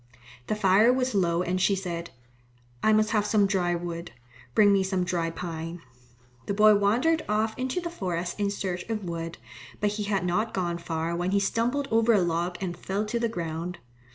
The fire was low and she said, "I must have some dry wood. Bring me some dry pine." The boy wandered off into the forest in search of wood, but he had not gone far when he stumbled over a log and fell to the ground.